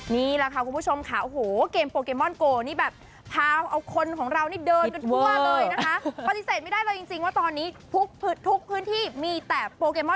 นี่แหละค่ะคุณผู้ชมค่ะ